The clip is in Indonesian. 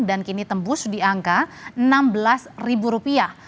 dan kini tembus di angka enam belas rupiah